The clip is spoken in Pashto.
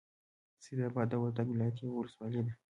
سیدآباد د وردک ولایت یوه ولسوالۍ ده.